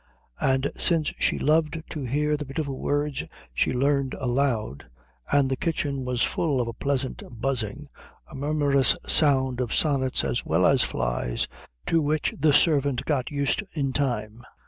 And since she loved to hear the beautiful words she learned aloud, and the kitchen was full of a pleasant buzzing, a murmurous sound of sonnets as well as flies, to which the servant got used in time.